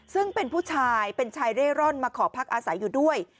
ซึ่งเป็นผู้ชายเป็นชายเร่ร่อนมาขอพักอาศัยอยู่ด้วย